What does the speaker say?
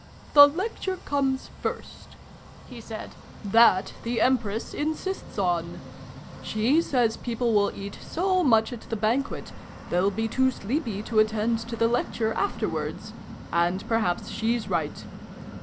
" The Lecture comes first," he said. " That the Empress insists on. She says people will eat so much at the Ban quet, they'll be too sleepy to attend to the Lecture afterwards and perhaps she's right.